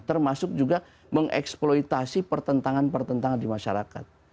termasuk juga mengeksploitasi pertentangan pertentangan di masyarakat